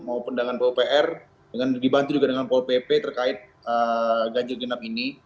maupun dengan popr dengan dibantu juga dengan polpp terkait ganjil genap ini